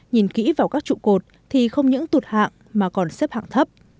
nhìn kỹ vào các trụ cột thì không những tụt hạng mà còn xếp hạng thấp